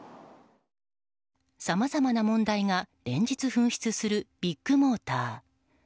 さまざまな問題が連日噴出するビッグモーター。